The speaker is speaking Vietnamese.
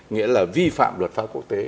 nghĩa là vi phạm luật pháp quốc tế